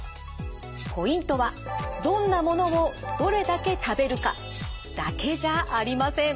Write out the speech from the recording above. ポイントはどんなものをどれだけ食べるかだけじゃありません。